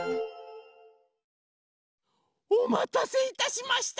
おまたせいたしました。